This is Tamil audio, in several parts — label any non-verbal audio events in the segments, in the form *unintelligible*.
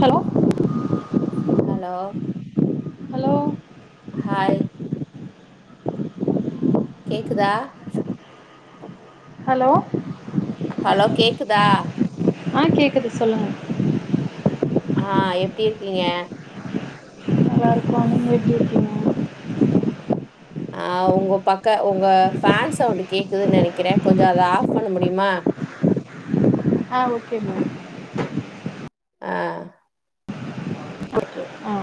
ஹலோ ஹலோ ஹலோ ஹாய் கேக்குதா ஹலோ ஹலோ கேக்குதா ஆ கேக்குது சொல்லுங்க ஆ எப்டி இருக்கீங்க நல்லா இருக்கோ நீங்க எப்டி இருக்கிங்க ஆ உங்க பக்க உங்க ஃபேன் சவுண்ட் கேக்குதுன் நெனைக்கிற கொஞ்ச அத ஆஃப் பண்ண முடியுமா ஆ ஓகே மேம் ஆஅ ஓகே ஆ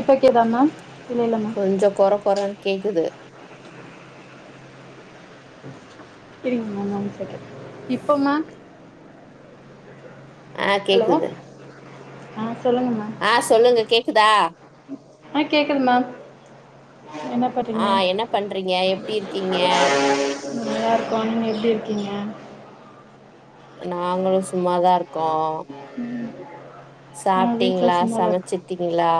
இப்ப க்கேதா மேம் இல்ல இல்ல மேம் கொஞ்ச கொரகொரன் கேக்குது செரிங்க ஒன் செகன் இப்ப மேம் ஆ ஹலோ கேக்குது ஆ சொல்லுங்க மேம் ஆ சொல்லுங்க கேக்குதா ஆ கேக்குது மேம் என்ன பண்றிங்க ஆ என்ன பண்றீங்க எப்படி இருக்கீங்க நல்லா இருக்கோ நீங்க எப் ப்டி இருக்கிங்க நாங்களு சும்மாதா இருக் கோ ஆ வீட்ல சாப்டீங்களா சும்மாதா இருக்கோ சமச்சிடீங்களா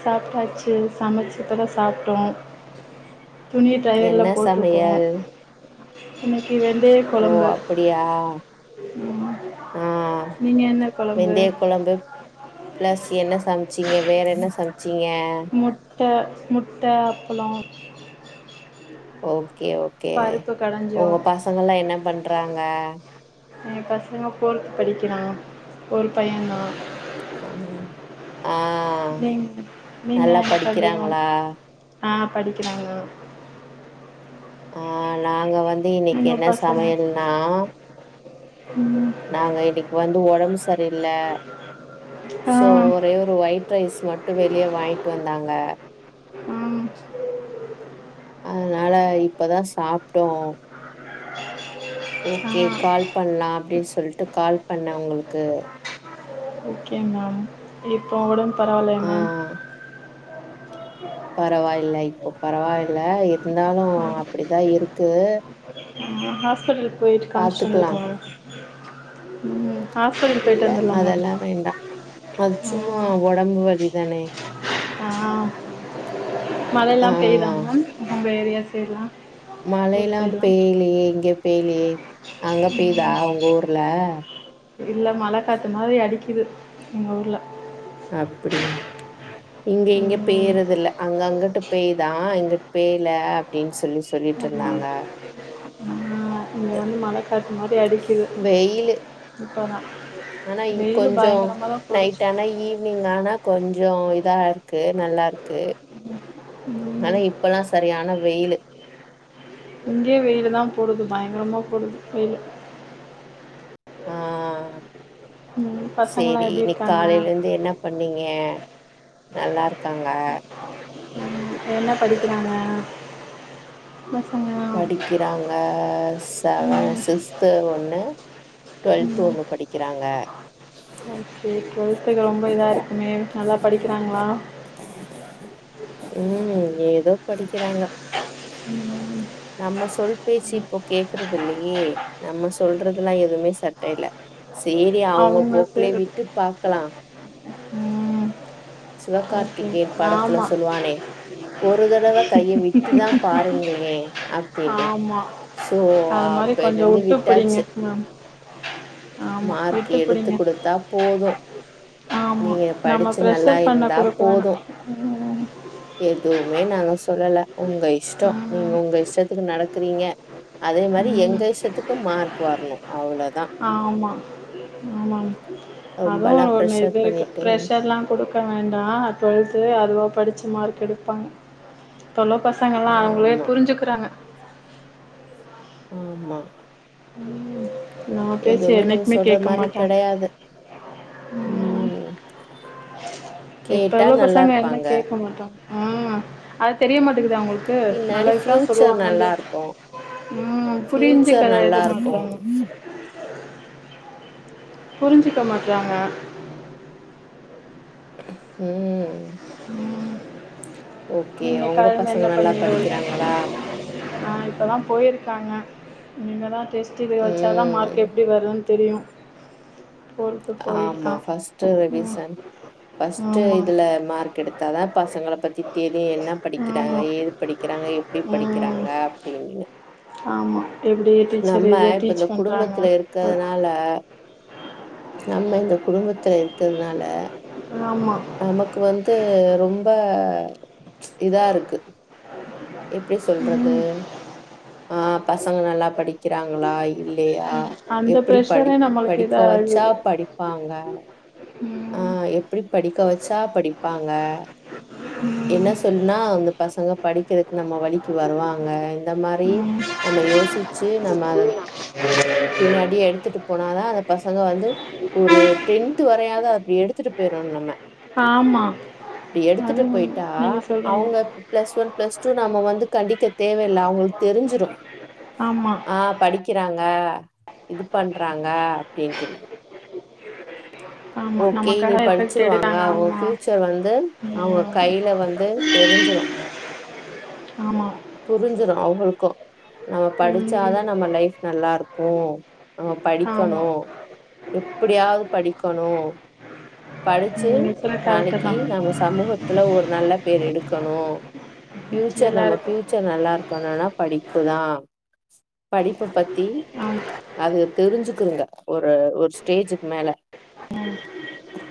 சாப்ட்டாச்சு சமச்சி இப்பதா சாப்ட்டோ துணி டெயர்ல என்ன போட்ருக்கோ சமையல் இன்னக் இது ஓ வெந்தயக்கொழம்பு அப்படியா ஆ நீங்க என்ன கெழம்பு வெந்தய குழம்பு பிளஸ் என்ன சம்ச்சிங்க வேற என்ன சம்ச்சி திங்க ட முட்ட அப்ளோ ஓ ஓகே ஓகே கடஞ்சோ உங்க பாசங்கெல்லா என்ன பண் ட்றாங்க எ பசங்க ஃபோர்த் படிக்கிறா ஒரு பைய தா ஆ அ நீங் நீங்க நல்லா என்ன பண்றீங்க படிக்றாங்ளா ஆ படிக்கிறாங்க ஆ நாங்க வந் வந்து இன்னெக் உங்க என்ன பசங்க சமையல்னா ம் நாங்க இன்னக் வந்து ஒடம் சரியில்ல ஆ சோ ஒரே ஒரு ஒயிட் ரைஸ் மட்டும் வெளிய வாங்கிட் வந்தாங்க ம் அதனால தை இப்பதா சாப்டோ *unintelligible* ஓக்கே ஆ கால் பண்லா அப்டிஸ் சொல்ட்டு கால் பண்ண உங்ளுக்கு ஓகே மேம் இப்போ ஒடம்பு பரவால்யாங் மேம் பரவாயில்லை இப்ப பரவாயில்ல இருந்தாலும் ம் அப்டிதா இருக்கு ம் ஹாஸ்பிட்டலுக்கு போயிட்டு காமிச்சிட்டு பாத்துக்லா வந்துருக்கே ம் ஹாஸ்பிட்டல் இல்ல போயிட்டு வந்துடலா மேம் அதெல்லா வேண்டா அது சும்மா ம் ஒடம்பு வலி சென்னை ஆம் ஆ மழயெல்லா பெய்தா மேம் உங்க ஏரியா பேர்லா மழயெல்லா பெய்லியே இங்க பெய்லியே அங்க பெய்தா உங்க ஊர்ல இல்ல மழ காத்து மாதிரி அடிக்குது எங்க ஊர்ல அப்டியா இங்கே இங்கே உம் பெய்றதில்ல அங்கங்க அங்குட்டு பெய்தா இங்குட்டு பெய்ல அப்டின் சொல்லிசி சொல்லிட்டிருந்தாங்க காத்து இங்க வந்து மழக்காத்து மாரி அடிக்கிது வெயிலு. இப்ப தா ஆனா இனிக் கொஞ்சோ நைட்டானா ஈவி்னிங்கானா கொஞ்சோ இதாருக்கு நல்லாருக்கு ஆனா உம் இப்பல்லா சரியான வெயிலு இங்கேயே வெயில் தான் போடுது பயங்கரமா கொள்ளுது வெய்லு ஆ பசங்கெல்லாம் சேரி எப்படி இன்னிக் இருக்காங்க காலலருந்து என்ன பண்ணீங்க நல்லாருக்காங்க ம் என்ன படிக்கிறாங்க பசங்க படிக்கறாங்க செவ உம் சிக்ஸ்து ஒண்ணு டுவெல்து உம் ஒண்ணு படிக்கறாங்க ஓகே டுவெல்த்துக்கு ரொம்ப இதாக இருக்குமே நல்லா படிக்கிறாங்களா ம் ஏதோ படிக்கறாங்க உம் நம்ம சொல் பேச்சி இப்போ கேக்குறதில்லயே நம்ம சொல்றதுலா எதுவுமே சட்டேல சேரி அவங்க போக்குளயே விட்டு பாக்கலா உம் ஓகே சிவகார்த்திகேன் படத்துல ஆமா சொல்லுவானே ஒரு தடவ கைய விட்டுதா பாருங்களே அப்டின்ட்டு ஆமா சோ அது மாதிரி கொஞ்சம் அப்பேலருந்து விட்டு பிடிங்க விட்டாச்சு மேம் ஆமா மார்க் விட்டு எடுத்து பிடிங்க கொடுத்தா போது ஆமா நீங்க ப் நம்ம ப்ரஷர் பண்ணப் கொடுக்க வெணா எதுவுமே நாங்க சொல்லல உங்க இஷ்ட நீங்க ம், உங்க இஷ் டத்துக்கு நடக்கறீங்க அதே மாரி ம். எங்கசத்துக்கு மார்க் வரணு அவ்ள ஆமா ஆமா அதுவு ரொம்பலா ஒண்ணு ப்ரெஷர் இது இருக்கு பண்ணிட்டு ப்ரஷர்லா குடுக்க வேண்டா டுவெல்த்து அதுவாக படித்து மார்க் எடுப்பாங்க இப்ப உள்ள பசங்கள் எல்லா அவங்களே ஆமா புரிஞ்சுக்கிறாங்க ஆம்மா ம் எதுவுமே நம்ம சொல்ற மாரி கெடையாது ம் இப்ப கேட்டா உள்ள நல்லா பசங்க என்ன இருப்பாங்க கேட்க மாட்டாங் ம் அது தெரியமாட்டுக்குத அவங்களுக்கு க்கு பின்னாடி நல்லதுதா ஃபியூச்சர் சொல்லுவாங்கன்டு நல்லா இருக்கு ம் ஃபியூச்சர் நல்லா புரிஞ்சுகத இருக்கு மாட்டோ புரிஞ்சிக்க மாட்டறாங்க ம் ம் ஓகே நீங்க உங்க காலைல பசங்க என்ன நல்லா பண்ணீங்க படிக்கறாங்களா ஆ இப்பதா போயிருக்காங்க நீங்க தா டெஸ்டுவி வச்சா தா ம் மார்க் எப்டி வரும்ன் தெரியு டுவெல்த்து ஆமா போயிருக்கா ஃபஸ்ட் ம் ரெவிசன் ஃபஸ்ட் ஆமா இதுல மார்க் எடுத்தாதா பசங்க பத்தி தெரியு என்ன படிக்கிறாங்க ஆமா ஏது படிக்கிறாங்க எப்டி ம் படிக்கிறாங்க அப்டினு ஆமா எப்பிடி டீச்சர் இது டீச் இந்த பண்றாங்க குடும்பத்துல ஆ இருக்கறதுனால நம்ம இந்த குடும்பத்துல இருக்கறனால ஆமா நமக்கு வந்து ரொம்ப இதா இருக்கு எப்டி சொல்றது ம் ஆ பசங்க நல்லா படிக்கிறாங்களா இல்ல ஆ அந்த எப்பிடி படி ப்ரெஷரே நம்மளுக்கு படிக்க இதா வச்சா ஆகுது படிப்பாங்க ஆ ம் எப்டி படிக்க வச்சா படிப்பாங்க என்ன ம் சொல்னா உங்க பசங்க படிக்கிறக்கு நம்ம வழிக்கு வருவாங்க இந்த மாரி ம் நம்ம யோசிச்சு நம்ம அத பின்னாடி எடுத்துட்டு போனாதா அந்த பசங்க வந்து ஒரு டென்த் வரையாது அப்டி எடுத்துட்டு போயிரணு நம்ம ஆமா இப்டி எடுத்துட்டு அது ட்டா நீங்க சொல்ற மாரி அவங்க ப் ப்ளஸ் ஒன் ப்ளஸ் து நம்ம வந்து கண்டிக்க தேவைல்ல அவங்களுக்கு தெரிஞ்சிரு ஆமா ஆ படிக் கிறாங்க இது பண்றாங்க அப்டின்ட்டுனா ஆமா ஓகே இனி நமக்காக எஃபெக்ட் படிச்சிருவாங்க எடுத்தாங்க அவங்க ஆமா ஃபியூச்சர் வந்து அவங்க ம் கைல வந்து தெரிஞ்சிரு ஆமா புரிஞ்சிரு அவங்களுக்கு நம்ம ம் படிச்சாதா நம்ம லைஃப் நல்லா இரு க்கு நம்ம படிக்கணு ஆமா எ ப்படியாது படிக்கணு படிச்சு நீங்க சொல்ல கரெக்ட்டு தா நாளக்கி நம்ம சமூகத்துல ஒரு நல்ல பேர் எடு க்கணு ஃபியூச்சர் நம்ம எல்லாருக்கு ஃபியூச்சர் நல்லா இருக்கணுன்னா படி அப்பதா படிப்ப பத்தி ஆமா அது தெரிஞ்சுக்குங்க ஒரு ஒரு ஸ்டேஜுக்கு மேல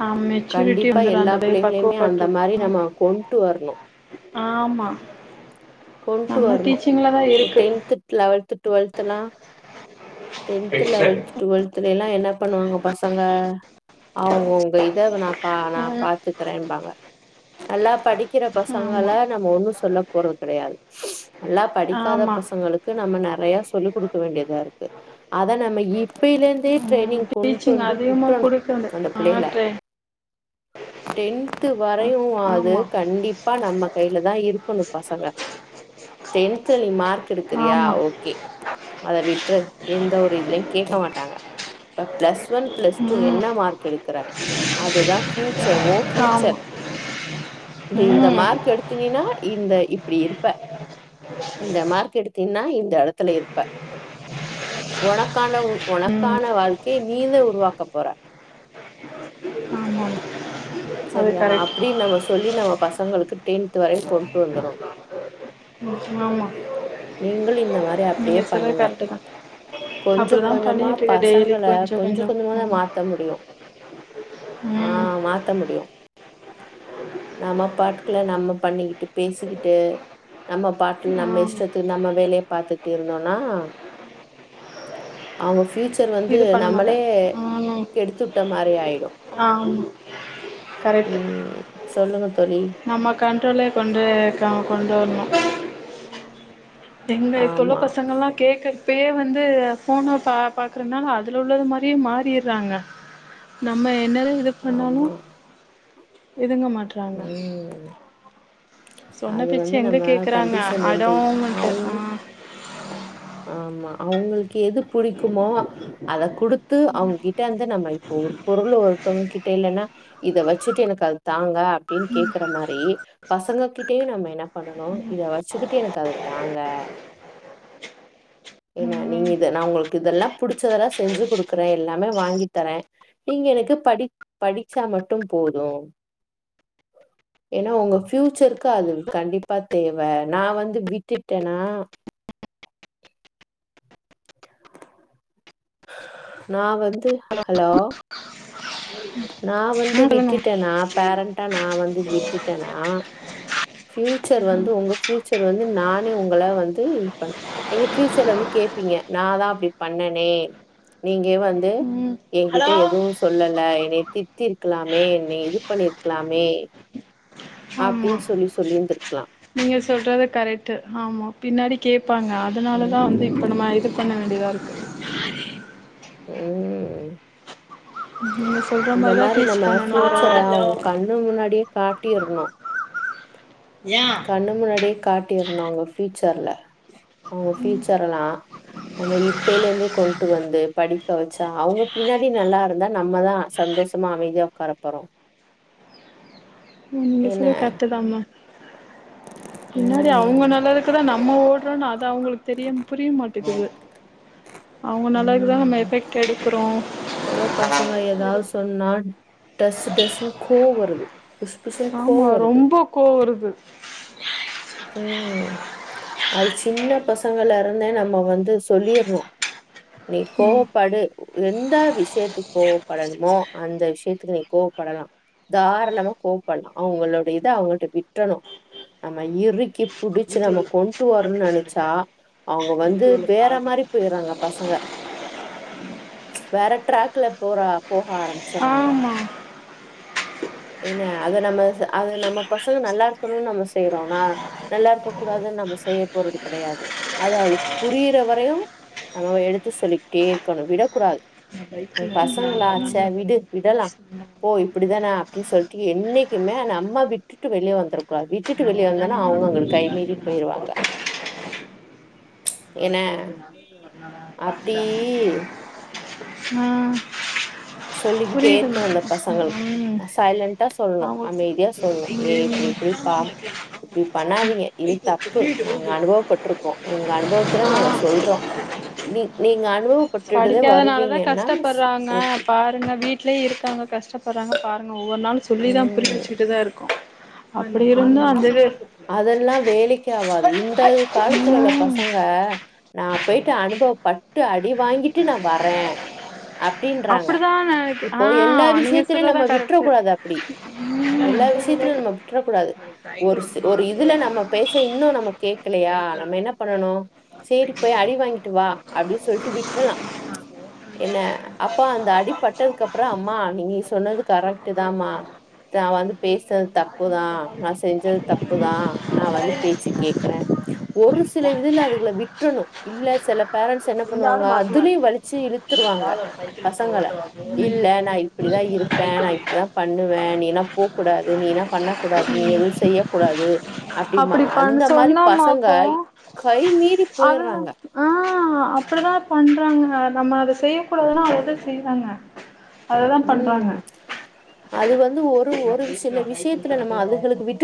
ஆ மெச்சூரிட்டி கண்டிப்பா வந்துரு எல்லா அந்த பய பிள்ளைகளையுமே அந்த பக்குவப்பட்ருக்கு மாரி ம் நம்ம கொண்ட்டு வரணு ஆமா கொண்டு நம்ம டீச்சிங்லதா இருக்கு டுவெல்த்தல்லா டென்த் லெவெல்த் டுவெல்த்துல எல்லா என்ன பண்ணுவாங்க பசங்க அ அவங்கவுங்க இத வந் நா பா நா பாத்துக்கிறேம்பாங்க நல்லா படிக்கிற ம் பசங்கள ஆமா நம்ம ஒண்ணு சொல்லப் போறது கெடையாது. நல்லா படிக்காத ஆமா பசங்களுக்கு நம்ம நெறை ய சொல்லிக் குடுக்க வேண்டியதா இருக்கு அத நம்ம இ ப்பயில இருந்தே ட்ரைனிங் கொண்ட்டு வந்து கு நா குடுக்க வந்த ஆட்ரே டென்த் டென்த்து வரையு அது ஆமா கண்டிப்பா நம்ம கைய்ல தா இருக்குணு பசங்க டென்த்து நீ மார்க் எடுக்றியா ஆமா ஓகே அத விட்ரு எந்த ஒரு இதுலயு கேட்க மாட்டாங்க இப்ப பிளஸ் ஒன் பிளஸ் டூ ம் என்ன மார்க் எடுக்கற அதுதா ஃபியூச்சர் ஓ ஆமா ஃபியூச்சர் டி இந்த ம் மார்க் எடுத்தினினா இந்த இப் இப்டி எடுப்ப இந்த மார்க் எடுத் தின்னா இந்த எடத்துல இருப்ப உனக் கான்ட உ உனக்கான வாழ்கி நீீ த உருவாக் கப் போர ஆமா அது செரியா கரெக்ட் அப்டின் நம்ம சொல்லி நம்ம பசங்களுக்கு டென்த் வரையு கொண்டு வந்தரனு ம் ஆமா நீங்கள் இந்த மாரி நீங்க அப்டியே சொல்றது பண்ணுங்க கரெக்ட்டு தா கொஞ்சோ அப்டிதா கொஞ்சமா பண்ணிட்டு இருக்கே டெய்லி பசங்கள கொஞ்சோ கொஞ்சமா தா ம் மாத்த முடியு ஆ ம் மாத் நம்ம பாட்டுகள நம்ம பண்ணிக்கிட்டு பேசிக்கிட்டு நம்ம பாட்டில் நம்ம ஆமா இஷ்டத்து நம்ம வேலய பாத்துட்டு இருந்தோனா அவுங்க ஃபியூச் ஃபியூச்சர் வந்து இது பண்ண மாட்டே நம்மளே ம் கெடுத்துட்ட மாரி ஆய்டும் கரெக்ட் தோழி நம்ம கண்ட்ரோலே கொண்டு கம் கொண்டு வர்ணு எங்க இப்ப உள்ள ஆமா பசங்களா கேகட்பே வந்து ஃபோன பா பாக்றனால அதுல உள்ளது மாரியே மாறிற்றாங்க நம்மய என்னது இது பண்ணாலு ஆமா இதுங்க மாட் ட்றாங்க ம் சொன்ன அது பேச்ச வந்து எங்க நம்ம கேக்றாங்க கண்டிஷன் அடோ வந்து மண்ட்டு அவுங் ஆ ஆமா அவ்ங்ளுக் எது புடிக்குமோ அத குடுத்து அவ்ங்கிட்ட வந்து நம்ம இப்ப ஒரு பொருள் ஒருத்தோங்கிட்ட இல்லனா இத வச்சிட்டு எனக் அது தாங்க அப்டின் கேக்ற மாரி பசங்க கிட்டயு நம்ம என்ன பண்ணணு இத வச்சுக்கிட்டு எனக் அது தாங்க ம் என்ன ம் நீங்கிது நா உங்ளுக் இதெல்லா புடிச்சதெல்லா செஞ்சு குடுக்குற எல்லாமே வாங்கி தர நீங்க எனக்கு படிச் படிச்சா மட்டும் போதும் ஏனா உங்க ஃபியூச்சருக்கு அது கண்டிப்பா தேவ நா வந்து விட்டுடனா நா வந்து ஹலோ நா வந்து சொல்லுங்க விட்டுடனா பேரண்டா நா வந்து விட்டுடனா ஃபியூச்சர் வந்து ஒங்க ஃபியூச்சர் வந்து நானே உங்கள வந்து இன் பண் நீங்க ஃபியூச்சர்ல வந்து கேப்பீங்க நா தா அப்டி பண்ணனே நீங்க வந்து ம் என்கிட்ட ஹலோ எதுவு சொ சொல்லல என்னைய திட்டிருக்கலாமே என்னைய இது பண்ணிருக்கலாமே ஆமா அப்டின் சொல்லி சொல்லிருந்திருக்லா நீங்க சொல்றது கரெக்ட்டு ஆமா பின்னாடி கேப் பாங்க அதனாலதா ம், வந்து இப்ப நம்ம இது பண்ண வேண்டியதா இருக்கு ஆ *unintelligible* உஹம் நீங்க சொல்ற இந்த மாரிதா மாரி டீச் நம்ம பண்ணணு ஒரு ஃப்யூச்சர ஒரு அவுங்க கண்ணு முன்னாடியே காட் ட்டிர்னு கண்ணு முன்னாடியே காட்டிர்னு அவுங்க ஃப்யூச்சர்ல அவுங்க ஃப்யூச்சர் ல்லா நம்ம இப்பலே இருந்தே கொண்டு வந்து படிக்க வச்சா அவுங்க பின்னாடி நல்லா இருந்தா நம்மதா சந்தோஷமா அமைதியா உட்காரப்போறோ நீங்க சொல்ற கரட்டு தா மேம் பின்னாடி அவுங்க ம் நல்லாருக்கதா நம்ம ஓடுறோன்னு அது அவுங்களுக்கு தெரிய புரிய மாட்டுது அவுங்க நல்லதுகுதா நம்ம எஃபெக்ட் எடுக்குறோ இப்ப உள்ள பசங்க ஏதாவது சொன்னா டஸ் டஸ்னு கூவுவருது ஆமா ரொம்ப கோவுருது *inaudible* ம் அது சின்ன பசங்கள்ல இருந்தே நம்ம வந்து சொல்லிர்ணு நீ ம் கோவப்படு எந்த விஷயத்துக்கு கோவப்படணுமோ அந்த விஷயத்துக்கு நீ கோவப்படலா தாராளமா கோவப்படலா அவங்களோடைய இத அவங்கள்ட விட்றணு நம்ம ந இறுக்கி புடிச்சு வீட்ல நம்ம உள்ள கொண்டு பால் வரனு ட்ரெஸ் நினைச்சா எடுக்க அவங்க வந்து வீட்ல உள்ள வேற பால் மாரி போய்றாங்க பசங்க வேற டிராக்ல போற போக ஆரம்பிச்சறாங்க ஆமா ஏன்ன அது நம்ம அது நம்ம பசங்க நல்லா இருக்கணும்னு நம்ம செய்றோனா நல்லா இருக்க கூடாதுன்னு நம்ம செய்ய போறது கெடையாது அது அவுங்களுக் புரியற வரையு நம்ம எடுத்து சொல்லிட்டே இருக்கணு விடக்கூடாது நா பைக்ல நாங்க பசங்களாச்ச வேன்ல ட்டு விடலா போகும்போது போ இப்புடிதான டி சொல்லிட்டு என்னைக்குமே நம்ம விட்டுட்டு வெளியே வந்தற கூடாது விட்டுட்டு நா வெளியே ஒரு வந்தனா தடவ நடந்து அவங்கஉங்களுக் கை மீறி எங்க அப்பா போயிருவாங்க என்ன அப்டி பாத்துட்டாங்க ம் சொல்லிக்கிட்டே இருக்கணு அந்த பசங்களுக்கு ம் சைலன்டா சொல்லணு அவங்களுக்கு அமைதியா ஏதோ சொல்லணு ஏ பைக்லயே இப்டி இப்டி பா இப்டி பண்ணாதீங்க இது தப்பு நாங்க போகும்போது அனுபவபட்ருக்கோ எங்க அனுபவத்துல நாங்க சொ ஆ சொல்றோ நீ நீங்க அனுபவப்பட்டுட்டு தா வருவீங்கன்னா ஓகே ங்க வீட்லயே இருக்காங்க கஷ்டப்படுறாங்க ல பாருங்க ஒவ்வொருநாள் சொல்லி தா ம் புரியவச்சுட்டு தா இருக்கோ அப்டி இருந்து அந்தது கெ ஆவாது இந் த காலத்துல உள்ள பசங்க நா போயிட்டு அனுபவப்பட்டு அடி வாங்கிட்டு நா வர்றே அப்பிடிதா‌ நெனைக்க ஆ எல்லா நீங்க விஷயத்திலயு சொல்றதா நம்ம விட்ற கரெக்ட்டு கூடாது ட்றக்கூடாது ஒரு ஒரு இதுல நம்ம பேச்ச இன்னு நம்ம கேக்கலயா சைக்கிள் நம்ம என்ன பண்ணனு சேரி போய் அடி வாங்கிட்டு வா அப்டி சொல்ட்டு விட்றலா என்ன அப் அப்ப அந்த அடி பட்டதுக்கப்ற அம்மா நி நீ சொன்னது கரெக்ட்டு தாம்மா த வந்து பேசது த புதா நா செஞ்சது தப்புதா நா வந்து பேச்ச கேக்குறே ஒரு சில இதுல அதுகள விட்றணு இல்ல சில பேரண்ட்ஸ் என்ன இந்த ஆடு பண்ணுவாங்க மாசமா அதுலயு இருக்கு வலிச்சு இழுத்துருவாங்க ஏதாவது ஒரு சைக்கிள் எடுத்து பசங்கள ஓட்டுவா இல்ல நா இப்பிடிதா இருப்பே நா சைக்கிள் இப்பிடி தா பண்ணுவே நீனா போகூடாது நீனா பண்ணக்கூடாது நீ எதுவு செய்யக் கூடாது அப்படி அப்டிம்பாங்க அந்த பண் மாரி சொன்னோமா பசங்க அப்போ கை மீறி அதுதா போயிர்றாங்க ஆ அப்படிதா பண்றாங்க நம்ம அத செய்யக்குடாதுன்னா அத த செய்வாங்க ம் அது வந்து ஒ ரு ஒரு சில விஷ்யத்துல நம்ம அதுகளுக்கு விட்டு